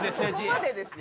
そこまでですよ。